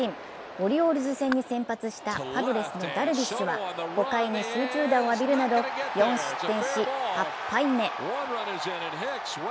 オリオールズ戦に先発したパドレスのダルビッシュは５回に集中打をアビルなど４失点し、８敗目。